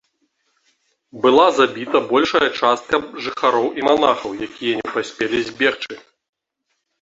Была забіта большая частка жыхароў і манахаў, якія не паспелі збегчы.